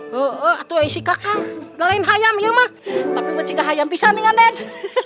hilarious kakak lain ayam yah for ayam bisa mengandeng